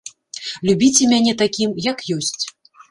Любіце мяне такім, як ёсць.